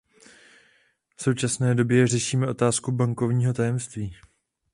V současné době řešíme otázku bankovního tajemství.